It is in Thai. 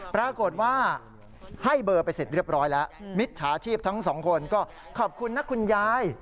เอ้ากระเป๋าเงินหาย